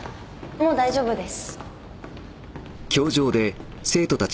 もう大丈夫です。